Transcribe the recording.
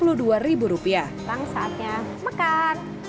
selamat saatnya makan